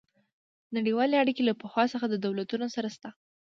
نړیوالې اړیکې له پخوا څخه د دولتونو سره شته